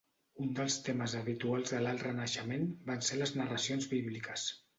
Un dels temes habituals de l'Alt Renaixement van ser les narracions bíbliques.